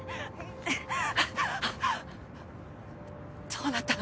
どうなったの？